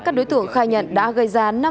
các đối tượng khai nhận đã gây ra